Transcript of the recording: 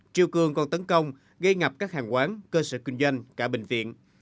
triều cường còn tấn công gây ngập các hàng quán cơ sở kinh doanh cả bệnh viện